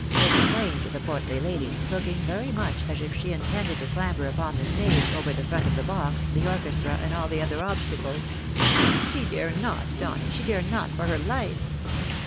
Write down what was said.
exclaimed the portly lady, looking very much as if she intended to clamber upon the stage over the front of the box, the orchestra, and all other obstacles. " She dare not, Donny ! She dare not for her life